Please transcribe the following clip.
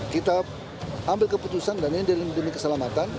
kita ambil keputusan dan ini demi keselamatan